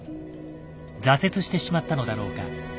挫折してしまったのだろうか。